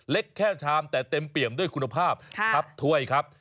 เล็กแค่ชามแต่เต็มเปี่ยมด้วยคุณภาพทับถ้วยครับ